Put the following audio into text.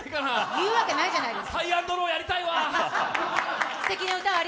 言うわけないじゃないですか。